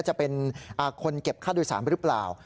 จะเป็นคนเก็บค่าโดยสารหรือเปล่า